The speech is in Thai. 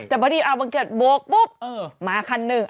แต่พอดีเอาบังเกิดโบกปุ๊บมาคันหนึ่ง